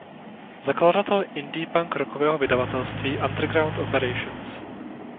Zakladatel indie punk rockového vydavatelství Underground Operations.